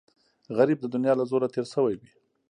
غریب د دنیا له زوره تېر شوی وي